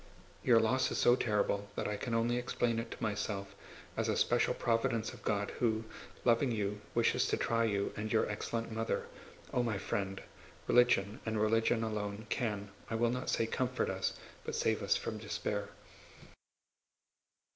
Your loss is so terrible that I can only explain it to myself as a special providence of God who, loving you, wishes to try you and your excellent mother. Oh, my friend! Religion, and religion alone, can—I will not say comfort us—but save us from despair.